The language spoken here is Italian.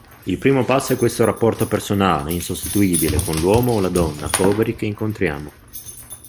Il primo passo è questo rapporto personale insostituibile con l'uomo o la donna poveri che incontriamo.